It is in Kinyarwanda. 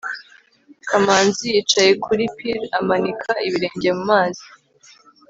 kamanzi yicaye kuri pir, amanika ibirenge mu mazi